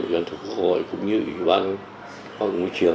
ủy ban thủ tục hội cũng như ủy ban hội ngũ trường